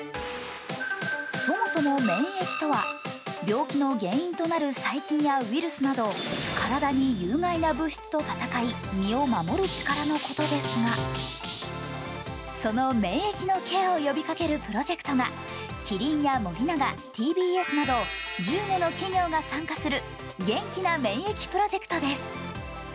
そもそも免疫とは病気の原因となる細菌やウイルスなど体に有害な物質と戦い、身を守る力のことですが、その免疫のケアを呼びかけるプロジェクトがキリンや森永、ＴＢＳなど１５の企業が参加するげんきな免疫プロジェクトです。